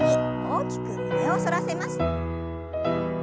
大きく胸を反らせます。